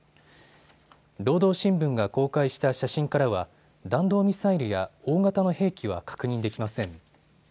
労働新聞が公開した写真からは弾道ミサイルや大型の兵器は確認できません。